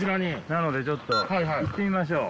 なのでちょっと行ってみましょう。